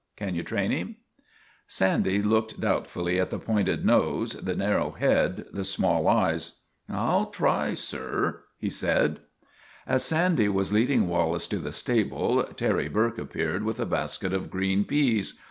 Can you train him ?' Sandy looked doubtfully at the pointed nose, the narrow head, the small eyes. ' I '11 try, sir," he said. As Sandy was leading Wallace to the stable, Terry Burke appeared with a basket of green peas.